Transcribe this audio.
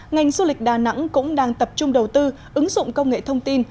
ngành du lịch đà nẵng cũng đang tập trung đầu tư ứng dụng công nghệ thông tin